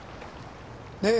ねえ？